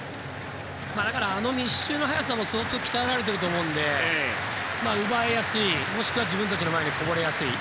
あの密集の早さも相当鍛えられてると思うので奪いやすい、もしくは自分たちの前にこぼれやすい。